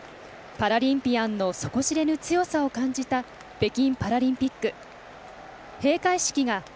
パラリンピアンの底知れぬ強さを感じた北京パラリンピック。